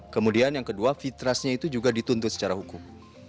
kemudian yang kedua fitrasnya itu juga dituntut secara hukum